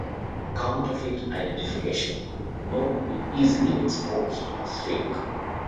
Counterfeit identification could not be easily exposed as fake.